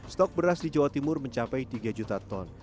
stok beras di jawa timur mencapai tiga juta ton